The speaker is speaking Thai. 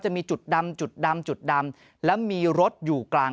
จะมีจุดดำจุดดำจุดดำ